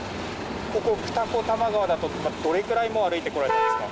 ここ、二子玉川だとどれくらい歩いてこられたんですか。